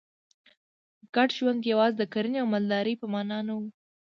ګډ ژوند یوازې د کرنې او مالدارۍ په معنا نه و